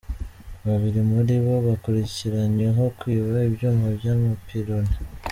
Babiri muri bo, bakurikiranyweho kwiba ibyuma by’amapironi.